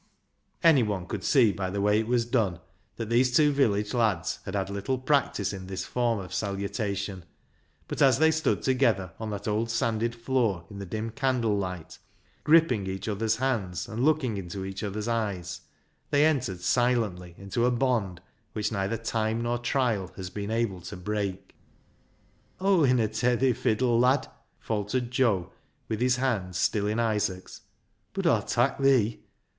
Anyone could see by the way it was done that these two village lads had had little practice in this form of salutation, but as they stood together on that old sanded floor, in the dim candle light, gripping each other's hands and looking into each other's eyes, they entered silently into a bond which neither time nor trial has been able to break. " Aw winna tak' thi fiddle, lad," faltered Joe with his hand still in Isaac's, " bud Aw'll tak' thee.